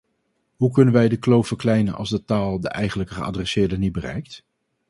Hoe kunnen wij de kloof verkleinen als de taal de eigenlijke geadresseerden niet bereikt?